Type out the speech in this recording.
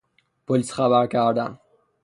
پلیس خبر کردن